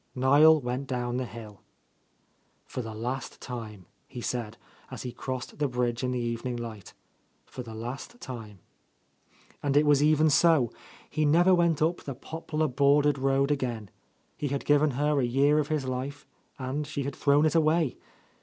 Niel went down the hill. "For the last time," he said, as he crossed the bridge in the evening light, "for the last time." And it was even so; he never went up the poplar bordered road again. He had given her a year of his life, and she had thrown it away.